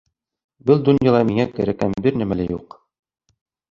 Был донъяла миңә кәрәккән бер нимә лә юҡ.